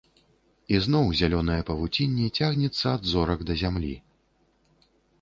І зноў зялёнае павуцінне цягнецца ад зорак да зямлі.